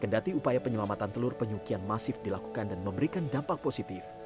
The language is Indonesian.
kendati upaya penyelamatan telur penyu kian masif dilakukan dan memberikan dampak positif